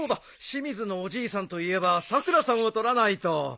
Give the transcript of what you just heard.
清水のおじいさんといえばさくらさんを撮らないと。